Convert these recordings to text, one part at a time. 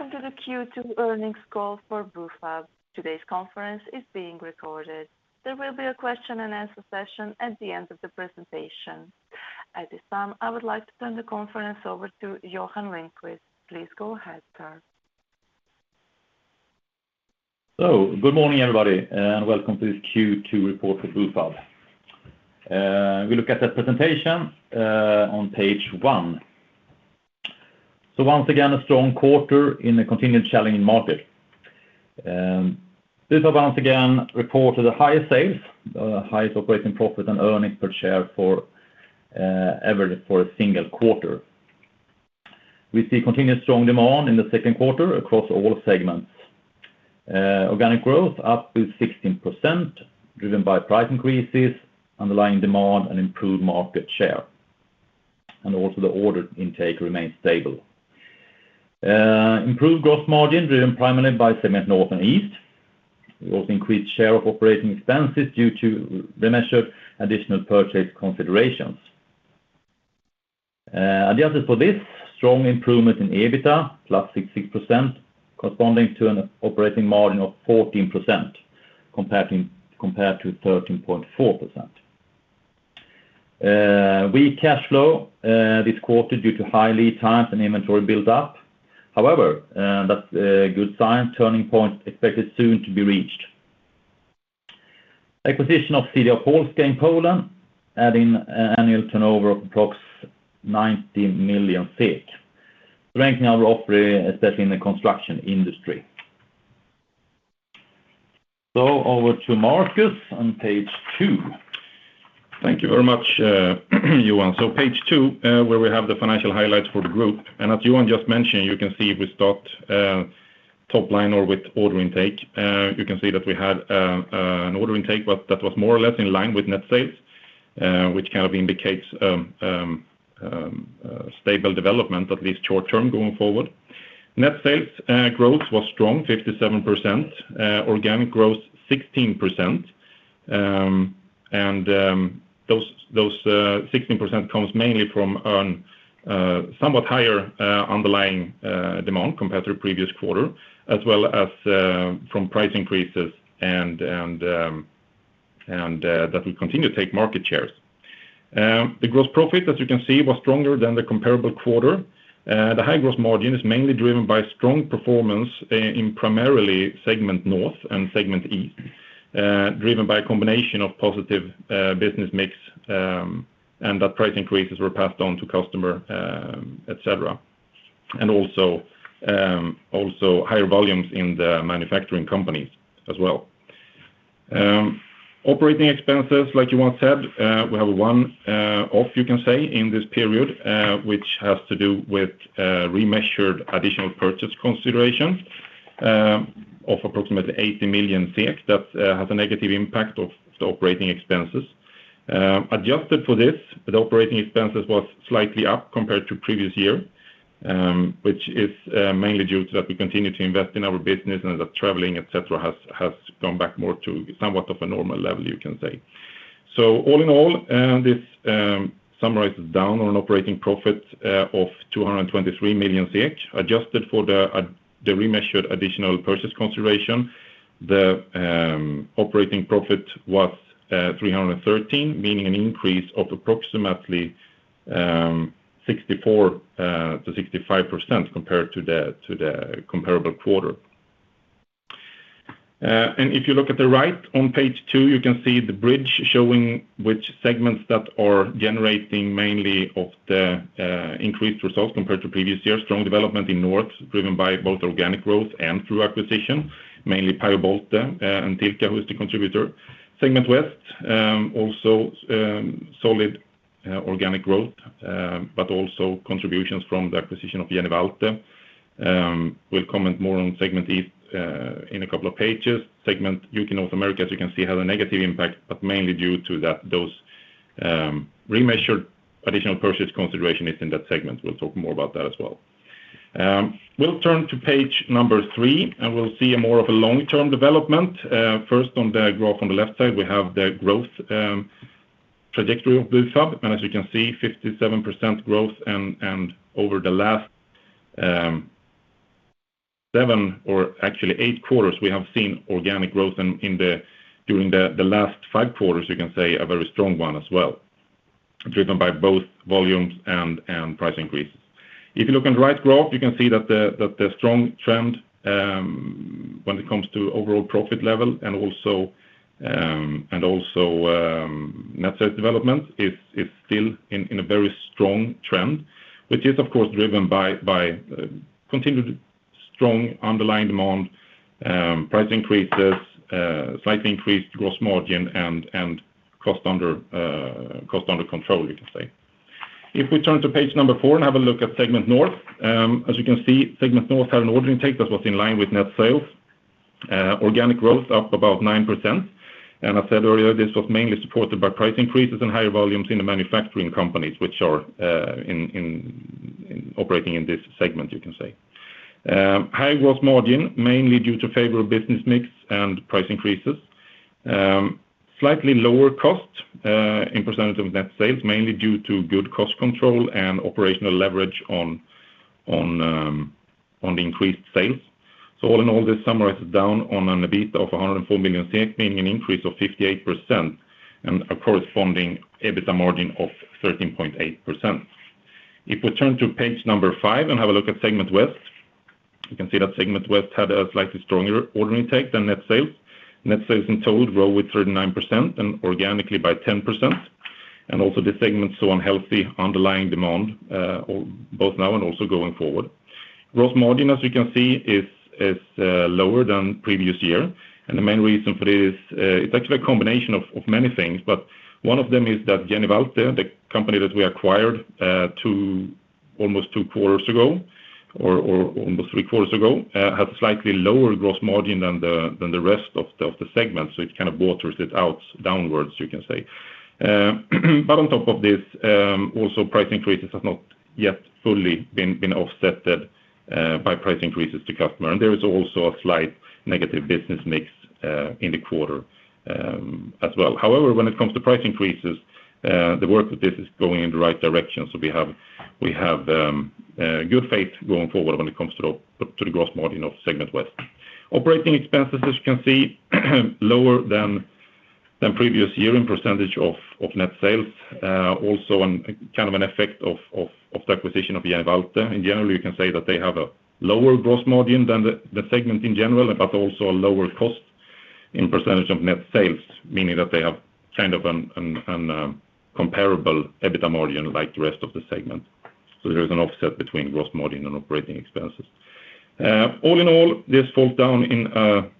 Welcome to the Q2 earnings call for Bufab. Today's conference is being recorded. There will be a question and answer session at the end of the presentation. At this time, I would like to turn the conference over to Johan Lindqvist. Please go ahead, sir. Good morning, everybody, and welcome to this Q2 report for Bufab. We look at the presentation on page one. Once again, a strong quarter in a continued challenging market. Bufab once again reported the highest sales, highest operating profit and earnings per share for ever for a single quarter. We see continued strong demand in the second quarter across all segments. Organic growth up to 16%, driven by price increases, underlying demand and improved market share, and also the order intake remains stable. Improved gross margin, driven primarily by Segment North and Segment East. We also increased share of operating expenses due to remeasured additional purchase considerations. Adjusted for this, strong improvement in EBITDA plus 66% corresponding to an operating margin of 14% compared to 13.4%. Weak cash flow this quarter due to high lead times and inventory buildup. However, that's a good sign. Turning point expected soon to be reached. Acquisition of CDA Polska in Poland, adding annual turnover of approximately 90 million, strengthening our offering, especially in the construction industry. Over to Marcus on page two. Thank you very much, Johan. Page two, where we have the financial highlights for the group. As Johan just mentioned, you can see we start top line or with order intake. You can see that we had an order intake that was more or less in line with net sales, which kind of indicates stable development at least short-term going forward. Net sales growth was strong, 57%. Organic growth, 16%. Those 16% comes mainly from a somewhat higher underlying demand compared to the previous quarter, as well as from price increases and that we continue to take market shares. The gross profit, as you can see, was stronger than the comparable quarter. The high gross margin is mainly driven by strong performance in primarily Segment North and Segment East, driven by a combination of positive business mix, and that price increases were passed on to customer, et cetera, and also higher volumes in the manufacturing companies as well. Operating expenses, like Johan said, we have one-off, you can say, in this period, which has to do with remeasured additional purchase considerations of approximately 80 million. That has a negative impact on the operating expenses. Adjusted for this, the operating expenses was slightly up compared to previous year, which is mainly due to that we continue to invest in our business and that traveling, et cetera, has gone back more to somewhat of a normal level, you can say. All in all, this summarizes down on operating profit of 223 million. Adjusted for the remeasured additional purchase consideration, the operating profit was 313 million, meaning an increase of approximately 64%-65% compared to the comparable quarter. If you look at the right on page two, you can see the bridge showing which segments are generating mainly the increased results compared to previous year. Strong development in North, driven by both organic growth and through acquisition, mainly Pajo-Bolte and Tilka, who is the contributor. Segment West also solid organic growth, but also contributions from the acquisition of Jenny Waltle. We'll comment more on Segment East in a couple of pages. Segment U.K./North America, as you can see, have a negative impact, but mainly due to those remeasured additional purchase consideration is in that segment. We'll talk more about that as well. We'll turn to page three, and we'll see more of a long-term development. First on the graph on the left side, we have the growth trajectory of Bufab. As you can see, 57% growth, and over the last seven or actually eight quarters, we have seen organic growth during the last five quarters, you can say a very strong one as well, driven by both volumes and price increases. If you look on the right graph, you can see that the strong trend when it comes to overall profit level and also net sales development is still in a very strong trend, which is of course driven by continued strong underlying demand, price increases, slightly increased gross margin and cost under control, you can say. If we turn to page number four and have a look at Segment North, as you can see, Segment North had an order intake that was in line with net sales. Organic growth up about 9%. I said earlier, this was mainly supported by price increases and higher volumes in the manufacturing companies, which are operating in this segment, you can say. High gross margin, mainly due to favorable business mix and price increases. Slightly lower cost in percentage of net sales, mainly due to good cost control and operational leverage on the increased sales. All in all, this sums up to an EBITDA of 104 million SEK, meaning an increase of 58% and a corresponding EBITDA margin of 13.8%. If we turn to page number five and have a look at Segment West, you can see that Segment West had a slightly stronger order intake than net sales. Net sales in total grow with 39% and organically by 10%. This segment saw healthy underlying demand both now and also going forward. Gross margin, as you can see, is lower than previous year. The main reason for this, it's actually a combination of many things, but one of them is that Jenny Waltle, the company that we acquired, two almost two quarters ago or almost three quarters ago, has a slightly lower gross margin than the rest of the segment. It kind of waters it down, you can say. On top of this, also price increases have not yet fully been offset by price increases to customers. There is also a slight negative business mix in the quarter, as well. However, when it comes to price increases, the work with this is going in the right direction. We have good faith going forward when it comes to the gross margin of Segment West. Operating expenses, as you can see, lower than previous year in percentage of net sales. Also a kind of effect of the acquisition of Jenny Waltle. In general, you can say that they have a lower gross margin than the segment in general, but also a lower cost in percentage of net sales, meaning that they have kind of a comparable EBITDA margin like the rest of the segment. There is an offset between gross margin and operating expenses. All in all, this results in an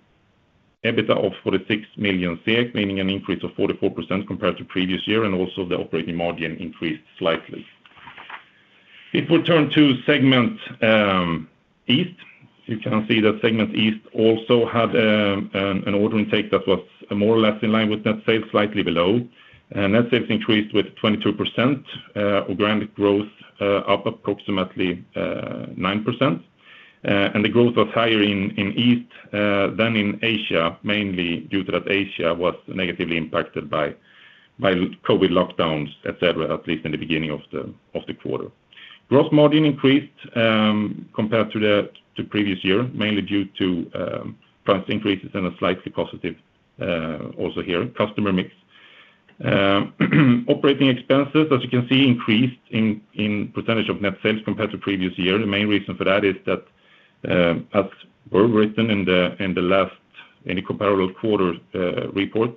EBITDA of 46 million, meaning an increase of 44% compared to previous year, and also the operating margin increased slightly. If we turn to Segment East, you can see that Segment East also had an order intake that was more or less in line with net sales, slightly below. Net sales increased with 22%, organic growth up approximately 9%. The growth was higher in East than in Asia, mainly due to that Asia was negatively impacted by COVID lockdowns, et cetera, at least in the beginning of the quarter. Gross margin increased compared to the previous year, mainly due to price increases and a slightly positive also here customer mix. Operating expenses, as you can see, increased in percentage of net sales compared to previous year. The main reason for that is that, as was written in the last interim comparable quarter report,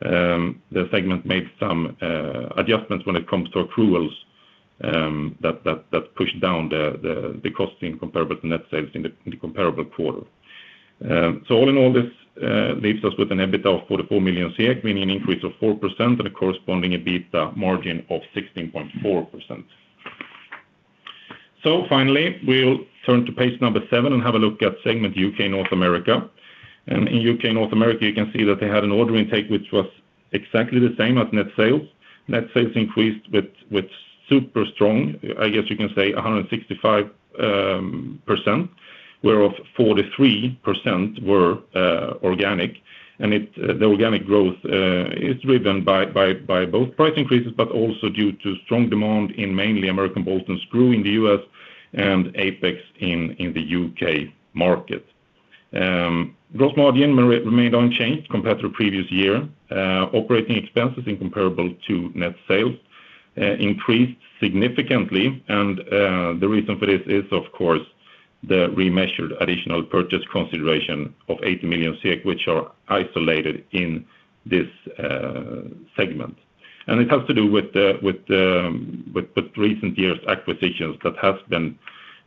the segment made some adjustments when it comes to accruals, that pushed down the costs compared to net sales in the comparable quarter. All in all, this leaves us with an EBITDA of 44 million, meaning an increase of 4% and a corresponding EBITDA margin of 16.4%. Finally, we'll turn to page number 7 and have a look at Segment U.K./North America. In UK/North America, you can see that they had an order intake, which was exactly the same as net sales. Net sales increased with super strong, I guess you can say 165%, whereof 43% were organic. The organic growth is driven by both price increases, but also due to strong demand mainly in American Bolt & Screw in the U.S. and Apex in the UK market. Gross margin remained unchanged compared to previous year. Operating expenses in comparison to net sales increased significantly. The reason for this is of course the remeasured additional purchase consideration of 80 million, which are isolated in this segment. It has to do with the recent years acquisitions that has been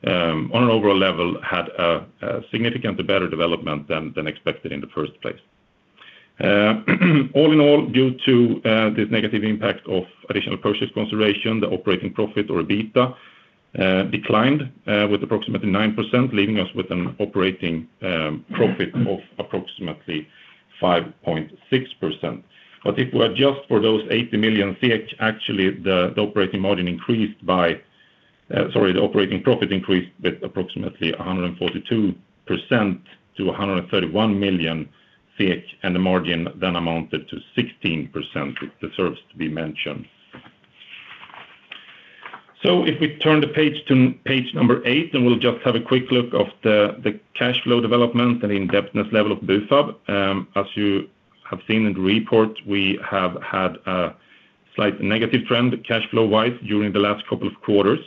on an overall level had a significantly better development than expected in the first place. All in all, due to the negative impact of additional purchase consideration, the operating profit or EBITDA declined with approximately 9%, leaving us with an operating profit of approximately 5.6%. If we adjust for those 80 million, actually the operating profit increased with approximately 142% to 131 million, and the margin then amounted to 16%. It deserves to be mentioned. If we turn the page to page eight, and we'll just have a quick look at the cash flow development and the indebtedness level of Bufab. As you have seen in the report, we have had a slight negative trend cash flow wise during the last couple of quarters.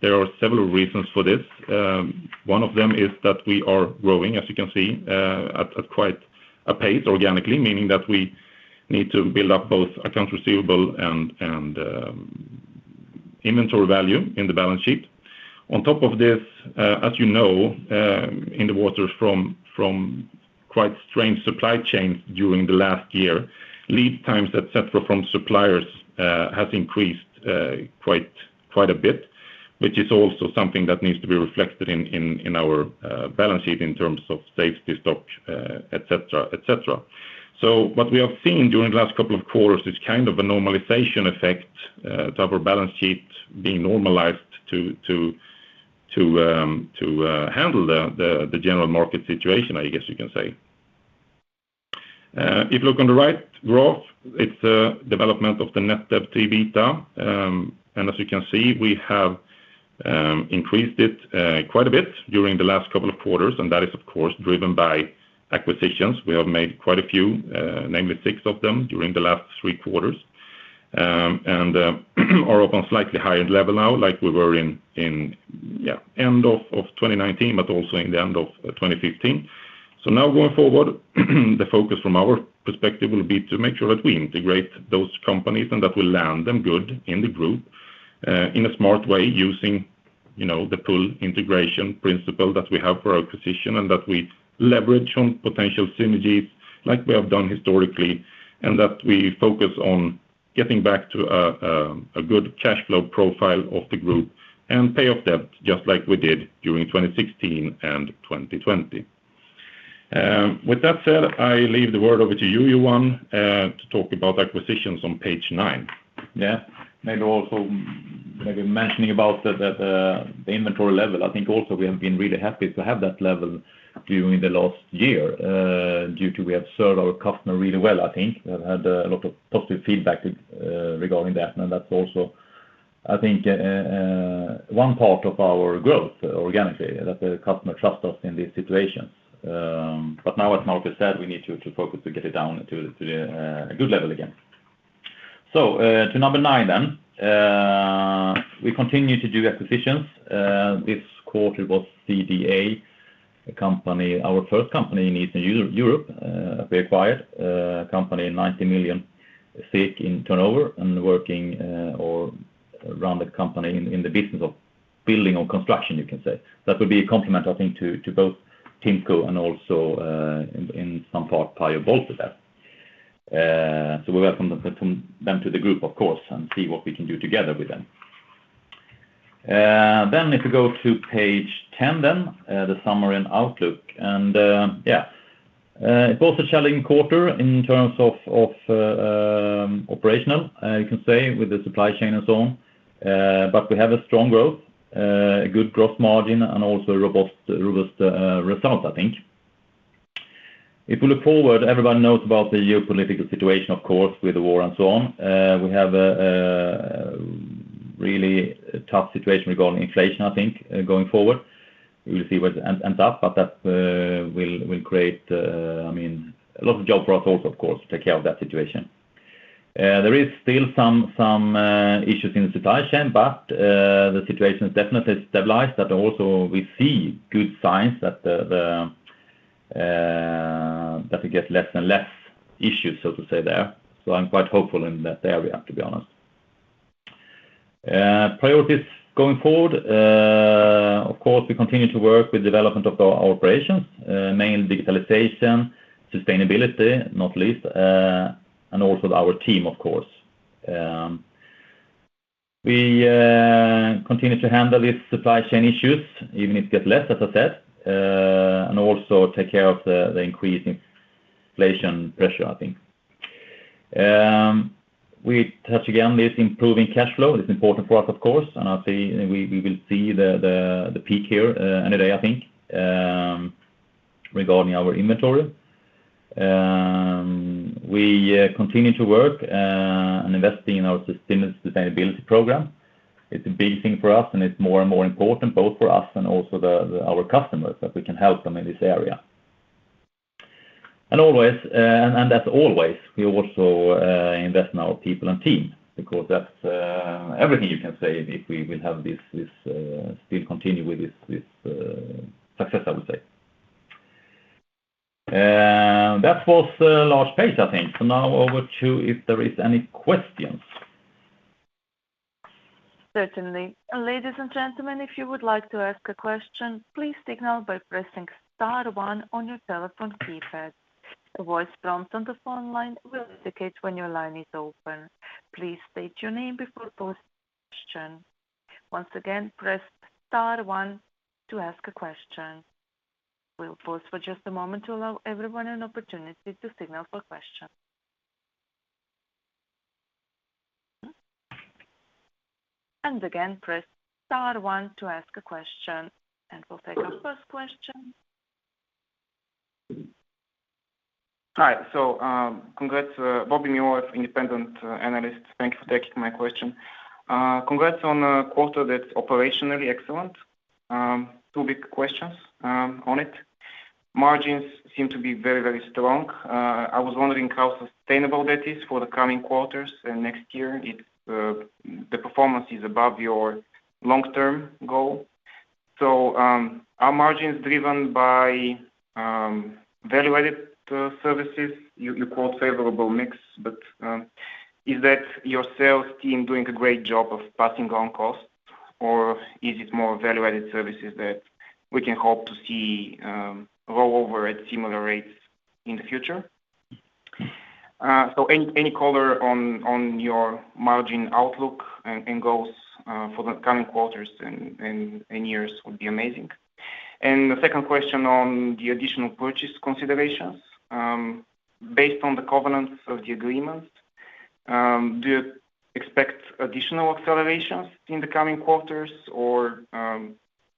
There are several reasons for this. One of them is that we are growing, as you can see, at quite a pace organically, meaning that we need to build up both accounts receivable and inventory value in the balance sheet. On top of this, as you know, in the wake of quite strained supply chains during the last year, lead times, et cetera, from suppliers, has increased, quite a bit, which is also something that needs to be reflected in our balance sheet in terms of safety stock, et cetera. What we have seen during the last couple of quarters is kind of a normalization effect to our balance sheet being normalized to handle the general market situation, I guess you can say. If you look on the right graph, it's the development of The Net Debt/EBITDA. As you can see, we have increased it quite a bit during the last couple of quarters, and that is of course driven by acquisitions. We have made quite a few, namely six of them during the last three quarters. We are up on slightly higher level now like we were in the end of 2019, but also in the end of 2015. Now going forward, the focus from our perspective will be to make sure that we integrate those companies and that we land them good in the group, in a smart way using, you know, the full integration principle that we have for our acquisition and that we leverage on potential synergies like we have done historically, and that we focus on getting back to a good cash flow profile of the group and pay off debt just like we did during 2016 and 2020. With that said, I leave the word over to you, Johan, to talk about acquisitions on page nine. Yeah. Maybe also mentioning about the inventory level. I think also we have been really happy to have that level during the last year, due to we have served our customer really well, I think. We've had a lot of positive feedback, regarding that, and that's also, I think, one part of our growth organically, that the customer trust us in this situation. Now as Marcus said, we need to focus to get it down to a good level again. To number nine then. We continue to do acquisitions. This quarter was CDA, a company, our first company in Eastern Europe, we acquired a company 90 million in turnover and working or rounded company in the business of building or construction you can say. That will be a complement, I think, to both TIMCO and also in some part Pajo-Bolte with that. We welcome them to the group of course and see what we can do together with them. If you go to page 10, the summary and outlook and yeah. It was a challenging quarter in terms of operational you can say with the supply chain and so on. We have a strong growth, a good growth margin and also robust result, I think. If we look forward, everybody knows about the geopolitical situation, of course, with the war and so on. We have a really tough situation regarding inflation, I think, going forward. We'll see where it ends up, but that will create, I mean, a lot of job for us also of course to take care of that situation. There is still some issues in the supply chain, but the situation is definitely stabilized, but also we see good signs that we get less and less issues, so to say there. I'm quite hopeful in that area, to be honest. Priorities going forward. Of course, we continue to work with development of our operations, mainly digitalization, sustainability, not least, and also our team of course. We continue to handle the supply chain issues, even if get less, as I said, and also take care of the increasing inflation pressure, I think. We touch again this improving cash flow. It's important for us of course, and we will see the peak here any day, I think, regarding our inventory. We continue to work and investing in our sustainability program. It's a big thing for us, and it's more and more important both for us and also our customers, that we can help them in this area. As always, we also invest in our people and team because that's everything you can say if we will have this still continue with this success, I would say. That was the last page, I think. Now over to if there is any questions. Certainly. Ladies and gentlemen, if you would like to ask a question, please signal by pressing star one on your telephone keypad. A voice prompt on the phone line will indicate when your line is open. Please state your name before posing your question. Once again, press star one to ask a question. We'll pause for just a moment to allow everyone an opportunity to signal for question. Again, press star one to ask a question, and we'll take our first question. Hi. Congrats, Bobby [Newest], Independent Analyst. Thank you for taking my question. Congrats on a quarter that's operationally excellent. Two big questions on it. Margins seem to be very, very strong. I was wondering how sustainable that is for the coming quarters and next year if the performance is above your long-term goal. Are margins driven by value-added services? You quote favorable mix, but is that your sales team doing a great job of passing on costs or is it more value-added services that we can hope to see roll over at similar rates in the future? Any color on your margin outlook and goals for the coming quarters and years would be amazing. The second question on the additional purchase considerations. Based on the covenants of the agreement. Do you expect additional accelerations in the coming quarters or,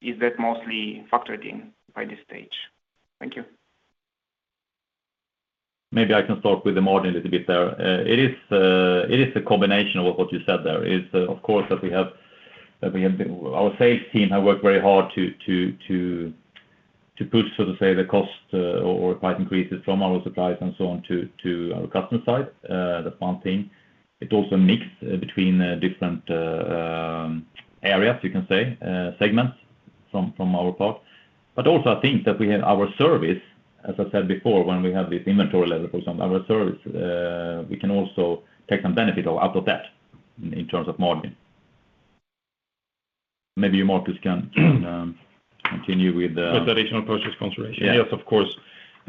is that mostly factored in by this stage? Thank you. Maybe I can start with the margin a little bit there. It is a combination of what you said there. It's of course that we have our sales team have worked very hard to push, so to say, the cost or price increases from our suppliers and so on to our customer side, the one thing. It's also a mix between different areas you can say segments from our part. Also I think that we have our service, as I said before, when we have this inventory level for some of our service, we can also take some benefit out of that in terms of margin. Maybe Markus can continue with the. With the additional purchase consideration. Yes. Yes, of course.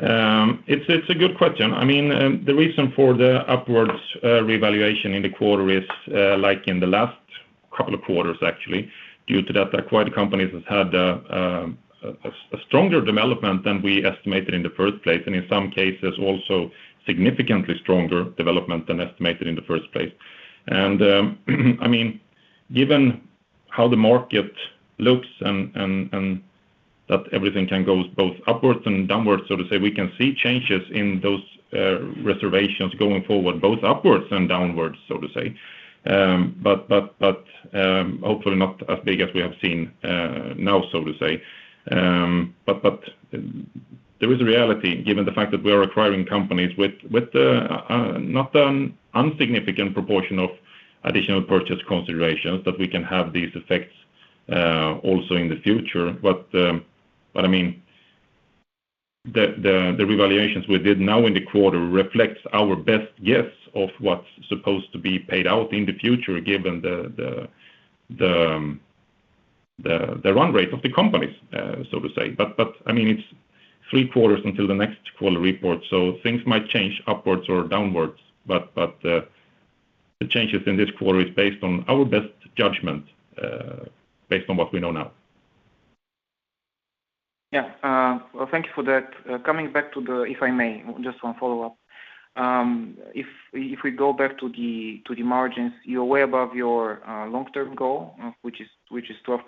It's a good question. I mean, the reason for the upwards revaluation in the quarter is, like in the last couple of quarters actually, due to that acquired companies has had a stronger development than we estimated in the first place, and in some cases, also significantly stronger development than estimated in the first place. I mean, given how the market looks and that everything can go both upwards and downwards, so to say, we can see changes in those valuations going forward, both upwards and downwards, so to say. Hopefully not as big as we have seen now, so to say. There is a reality, given the fact that we are acquiring companies with not an insignificant proportion of additional purchase considerations, that we can have these effects also in the future. I mean, the revaluations we did now in the quarter reflects our best guess of what's supposed to be paid out in the future, given the run rate of the companies, so to say. The changes in this quarter is based on our best judgment, based on what we know now. Yeah. Well, thank you for that. If I may, just one follow-up. If we go back to the margins, you're way above your long-term goal, which is 12%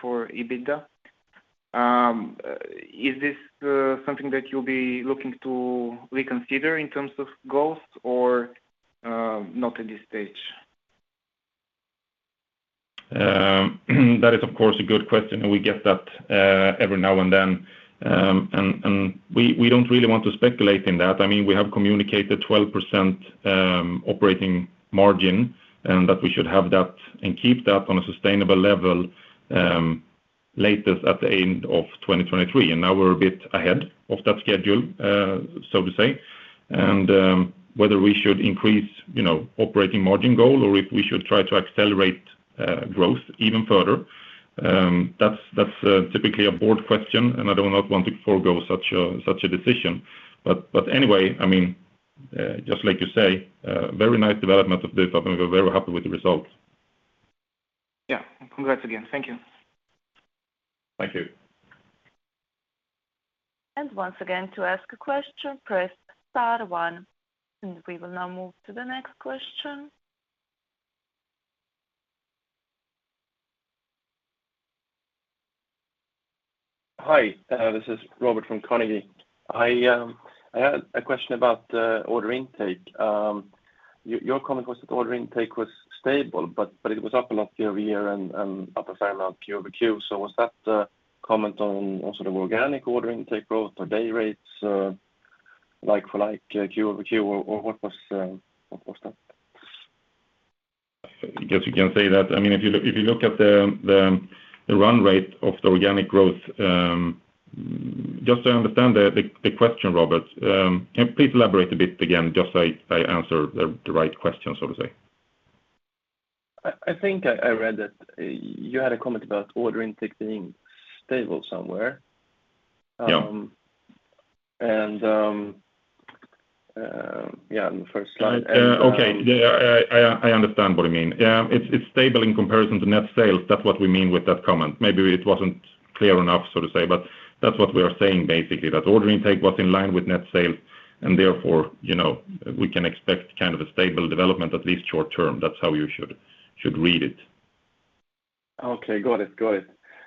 for EBITDA. Is this something that you'll be looking to reconsider in terms of goals or not at this stage? That is, of course, a good question, and we get that every now and then. We don't really want to speculate in that. I mean, we have communicated 12% operating margin, and that we should have that and keep that on a sustainable level, latest at the end of 2023. Now we're a bit ahead of that schedule, so to say. Whether we should increase, you know, operating margin goal or if we should try to accelerate growth even further, that's typically a board question, and I do not want to forego such a decision. Anyway, I mean, just like you say, a very nice development of this, I think we're very happy with the results. Yeah. Congrats again. Thank you. Thank you. Once again, to ask a question, press star one, and we will now move to the next question. Hi, this is Robert from Carnegie. I had a question about order intake. Your comment was that order intake was stable, but it was up a lot year-over-year and up a fair amount Q-over-Q. Was that a comment on also the organic order intake growth or day rates, like-for-like Q-over-Q or what was that? I guess you can say that. I mean, if you look at the run rate of the organic growth, just to understand the question, Robert, can you please elaborate a bit again just so I answer the right question, so to say. I think I read that you had a comment about order intake being stable somewhere. Yeah. Yeah, on the first slide. Okay. Yeah. I understand what you mean. Yeah. It's stable in comparison to net sales. That's what we mean with that comment. Maybe it wasn't clear enough, so to say, but that's what we are saying basically, that order intake was in line with net sales, and therefore, you know, we can expect kind of a stable development, at least short term. That's how you should read it. Okay. Got it.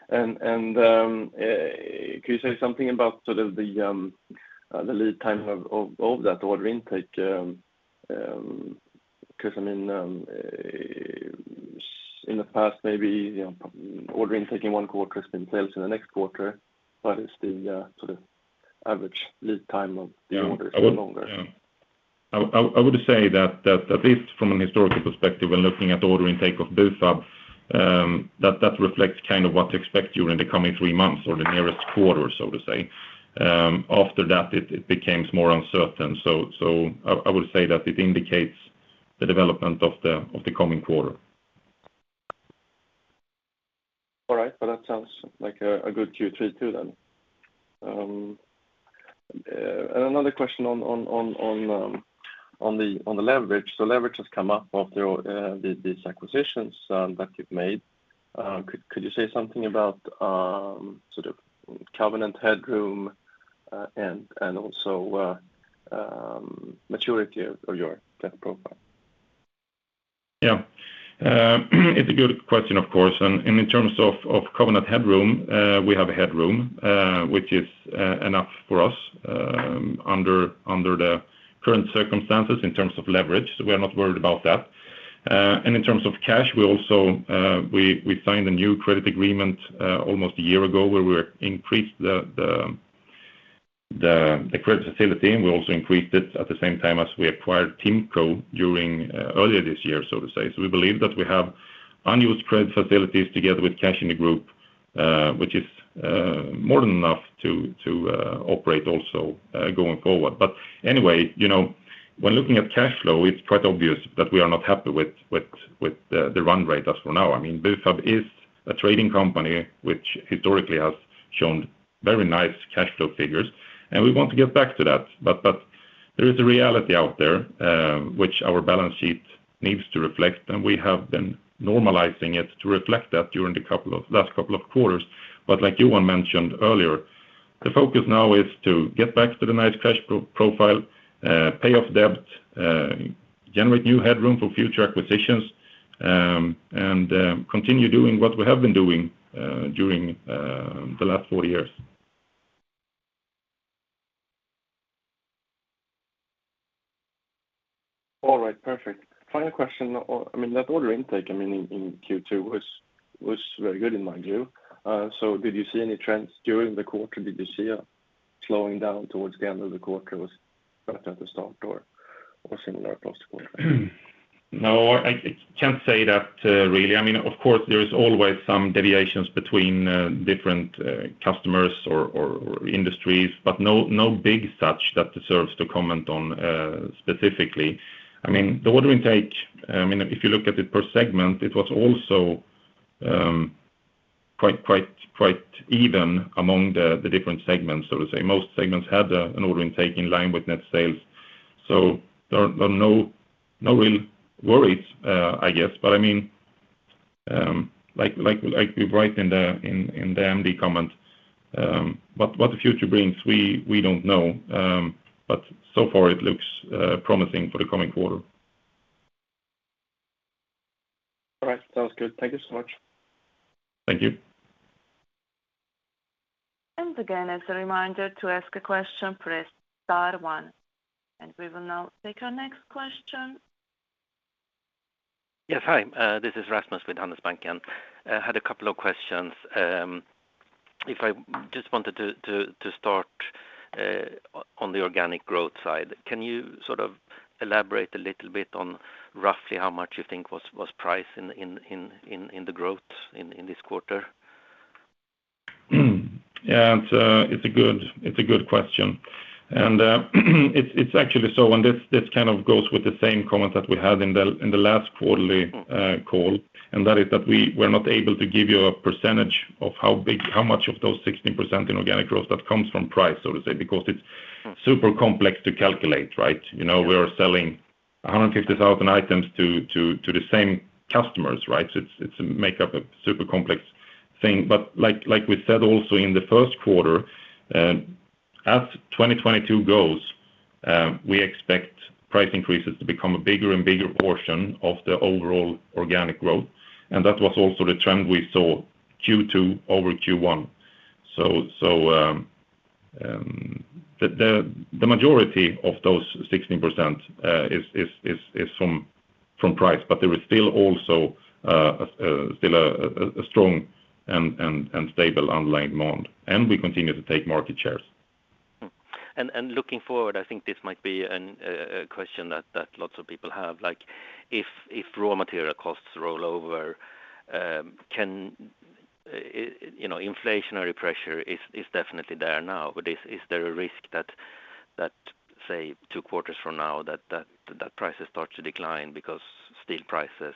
Can you say something about sort of the lead time of that order intake? Because, I mean, in the past maybe, you know, order intake in one quarter has been sales in the next quarter. What is the sort of average lead time of the order intake? Is no longer? Yeah. I would say that at least from a historical perspective, when looking at the order intake of Bufab, that reflects kind of what to expect during the coming three months or the nearest quarter, so to speak. After that, it becomes more uncertain. I would say that it indicates the development of the coming quarter. All right. Well, that sounds like a good Q3 too then. Another question on the leverage. Leverage has come up after these acquisitions that you've made. Could you say something about sort of covenant headroom and also maturity of your debt profile. Yeah. It's a good question of course. In terms of covenant headroom, we have headroom, which is enough for us under the current circumstances in terms of leverage. We are not worried about that. In terms of cash, we also signed a new credit agreement almost a year ago where we increased the credit facility, and we also increased it at the same time as we acquired TIMCO earlier this year, so to say. We believe that we have unused credit facilities together with cash in the group, which is more than enough to operate also going forward. Anyway, you know, when looking at cash flow, it's quite obvious that we are not happy with the run rate as for now. I mean, Bufab is a trading company, which historically has shown very nice cash flow figures, and we want to get back to that. There is a reality out there, which our balance sheet needs to reflect, and we have been normalizing it to reflect that during the last couple of quarters. Like Johan mentioned earlier, the focus now is to get back to the nice cash flow profile, pay off debt, generate new headroom for future acquisitions, and continue doing what we have been doing during the last four years. All right. Perfect. Final question. I mean, net order intake, I mean, in Q2 was very good in my view. Did you see any trends during the quarter? Did you see a slowing down towards the end of the quarter? It was better at the start or similar across the quarter? No, I can't say that, really. I mean, of course there is always some deviations between different customers or industries, but no big such that deserves to comment on, specifically. I mean, the order intake, I mean, if you look at it per segment, it was also quite even among the different segments, so to say. Most segments had an order intake in line with net sales. There are no real worries, I guess. I mean, like we write in the CEO's overview, what the future brings, we don't know. So far it looks promising for the coming quarter. All right. Sounds good. Thank you so much. Thank you. Again, as a reminder, to ask a question, press star one. We will now take our next question. Yes. Hi, this is Rasmus with Handelsbanken. Had a couple of questions. If I just wanted to start on the organic growth side. Can you sort of elaborate a little bit on roughly how much you think was price in the growth in this quarter? Yeah. It's a good question. It's actually so, and this kind of goes with the same comment that we had in the last quarterly- Mm-hmm on the call, that is that we're not able to give you a percentage of how big, how much of those 16% in organic growth that comes from price, so to say, because it's. Mm-hmm It's super complex to calculate, right? You know, we are selling 150,000 items to the same customers, right? It makes up a super complex thing. Like we said also in the first quarter, as 2022 goes, we expect price increases to become a bigger and bigger portion of the overall organic growth. That was also the trend we saw Q2-over Q1. The majority of those 16% is from price, but there is still also a strong and stable underlying demand, and we continue to take market shares. looking forward, I think this might be a question that lots of people have. Like, if raw material costs roll over, you know, inflationary pressure is definitely there now. Is there a risk that prices start to decline because steel prices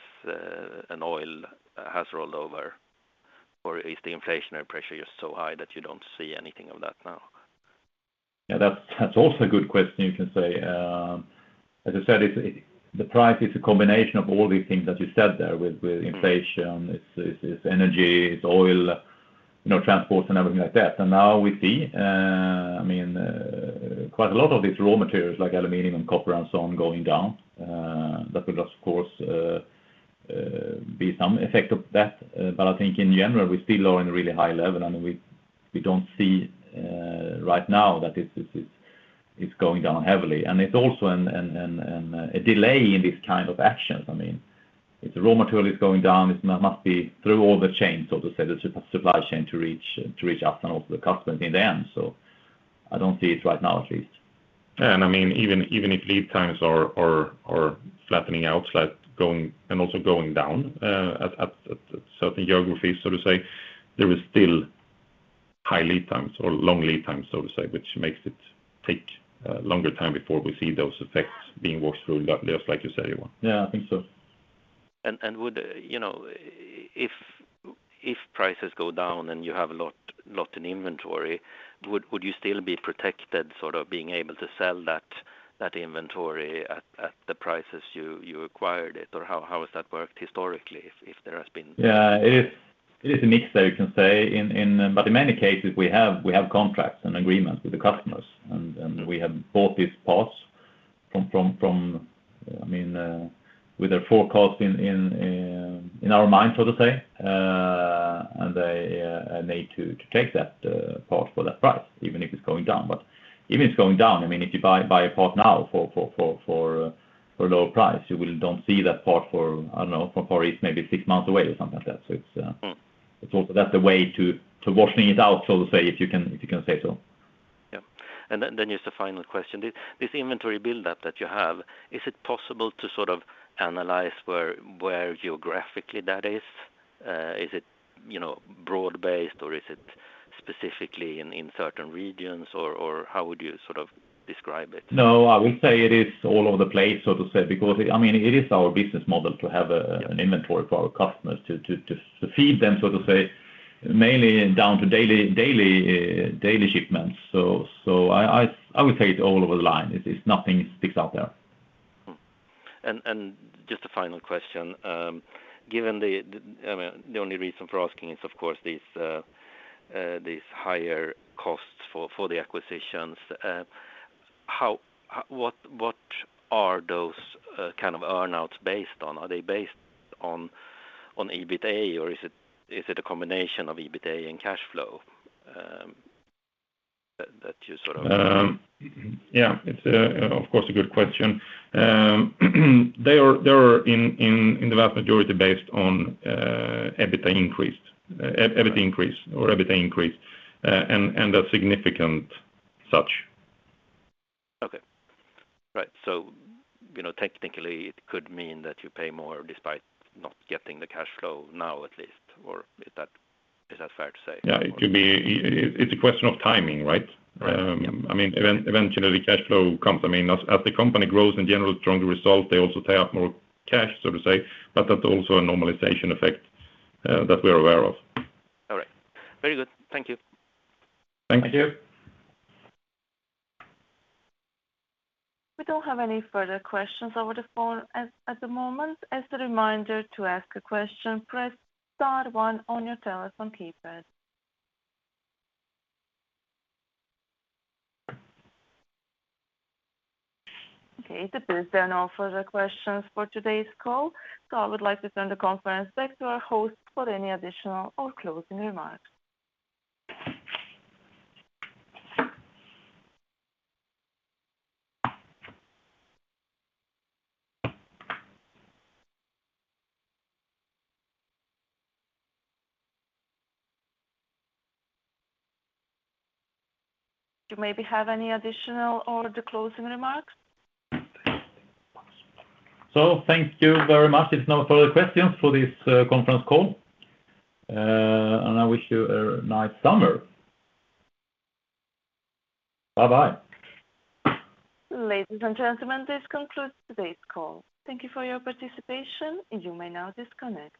and oil has rolled over? Is the inflationary pressure just so high that you don't see anything of that now? Yeah, that's also a good question you can say. As I said, the price is a combination of all these things that you said there with inflation. Mm-hmm It's energy, it's oil, you know, transports and everything like that. Now we see, I mean, quite a lot of these raw materials like aluminum, copper and so on going down, that will of course be some effect of that. I think in general, we're still on a really high level, and we don't see right now that it's going down heavily. It's also a delay in this kind of actions. I mean, if the raw material is going down, it must be through all the chains, so to say, the supply chain to reach us and also the customer in the end. I don't see it right now at least. I mean, even if lead times are flattening out, like going and also going down, at certain geographies, so to say, there is still high lead times or long lead times, so to say, which makes it take longer time before we see those effects being worked through, like, just like you said, Johan. Yeah, I think so. Would you know, if prices go down and you have a lot in inventory, would you still be protected, sort of being able to sell that inventory at the prices you acquired it? Or how has that worked historically if there has been Yeah. It It is a mix there, you can say. In many cases we have contracts and agreements with the customers, and we have bought these parts from, I mean, with their forecast in our minds, so to say, and they need to take that part for that price, even if it's going down. Even it's going down, I mean, if you buy a part now for a lower price, you will don't see that part for, I don't know, for at least maybe six months away or something like that. It's Mm. It's also that. That's a way to washing it out, so to say, if you can say so. Yeah, just a final question. This inventory buildup that you have, is it possible to sort of analyze where geographically that is? Is it, you know, broad-based, or is it specifically in certain regions, or how would you sort of describe it? No, I would say it is all over the place, so to say, because I mean, it is our business model to have a, an inventory for our customers to feed them, so to say, mainly down to daily shipments. I would say it all over the line. It's nothing sticks out there. Just a final question. Given the, I mean, the only reason for asking is, of course, these higher costs for the acquisitions. What are those kind of earn-outs based on? Are they based on EBITA, or is it a combination of EBITA and cash flow that you sort of Yeah. It's of course a good question. They are in the vast majority based on EBITA increased. Right. EBIT increase or EBITA increase, and a significant such. Okay. Right. You know, technically, it could mean that you pay more despite not getting the cash flow now at least, or is that fair to say? Yeah. It could be. It's a question of timing, right? Right. Yeah. I mean, eventually cash flow comes. I mean, as the company grows in general stronger result, they also pay off more cash, so to say, but that's also a normalization effect that we're aware of. All right. Very good. Thank you. Thank you. Thank you. We don't have any further questions over the phone at the moment. As a reminder, to ask a question, press star one on your telephone keypad. Okay, it appears there are no further questions for today's call. I would like to turn the conference back to our host for any additional or closing remarks. Do you maybe have any additional or the closing remarks? Thank you very much. If there's no further questions for this conference call, and I wish you a nice summer. Bye-bye. Ladies and gentlemen, this concludes today's call. Thank you for your participation. You may now disconnect.